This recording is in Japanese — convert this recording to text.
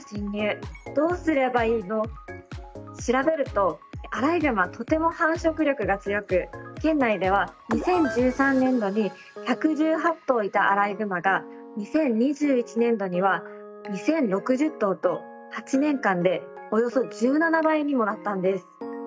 調べるとアライグマはとても繁殖力が強く県内では２０１３年度に１１８頭いたアライグマが２０２１年度には２，０６０頭と８年間でおよそ１７倍にもなったんです。